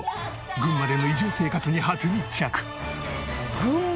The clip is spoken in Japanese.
群馬での移住生活に初密着！